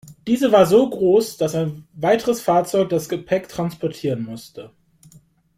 Diese war so groß, dass ein weiteres Fahrzeug das Gepäck transportieren musste.